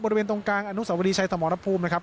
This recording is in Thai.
บริเวณตรงกลางอนุสวรีชัยสมรภูมินะครับ